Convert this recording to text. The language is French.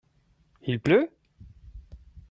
Il pleut ?